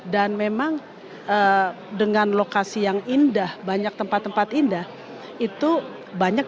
dan memang dengan lokasi yang indah banyak tempat tempat indah itu banyak